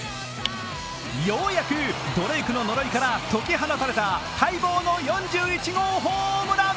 ようやくドレイクの呪いから解き放たれた待望の４１号ホームラン。